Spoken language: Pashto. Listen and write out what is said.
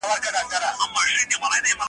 که پاکستان دی که روس ایران دی ,